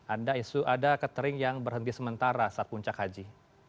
ada catering yang berhenti sementara sarpuncak haji